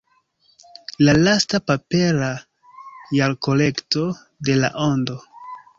La lasta papera jarkolekto de La Ondo.